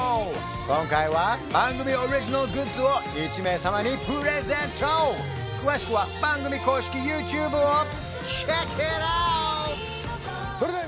今回は番組オリジナルグッズを１名様にプレゼント詳しくは番組公式ＹｏｕＴｕｂｅをｃｈｅｃｋｉｔｏｕｔ！